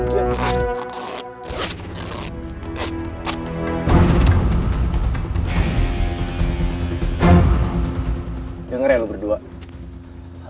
jangan ngeri lu berdua